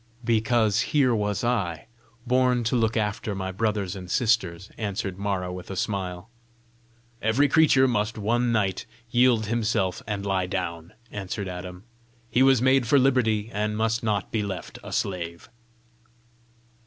"Because here was I, born to look after my brothers and sisters!" answered Mara with a smile. "Every creature must one night yield himself and lie down," answered Adam: "he was made for liberty, and must not be left a slave!"